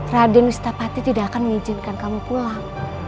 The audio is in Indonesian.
raden ustapati tidak akan mengizinkan kamu pulang